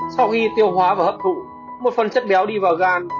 sau khi tiêu hóa và hấp thụ một phần chất béo đi vào gan